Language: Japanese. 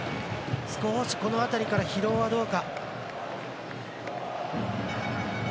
少し、この辺りから疲労はどうか。